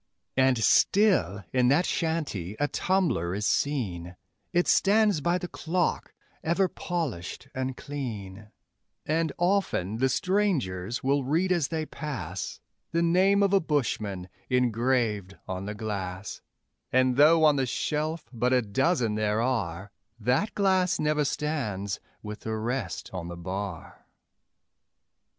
And still in that shanty a tumbler is seen, It stands by the clock, ever polished and clean; And often the strangers will read as they pass The name of a bushman engraved on the glass; And though on the shelf but a dozen there are, That glass never stands with the rest on the bar.